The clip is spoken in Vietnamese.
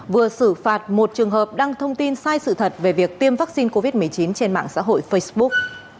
vừa xử phạt một trường hợp đăng thông tin sai sự thật về việc tiêm vaccine covid một mươi chín trên mạng xã hội facebook